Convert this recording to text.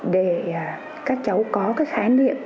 để các cháu có cái khái niệm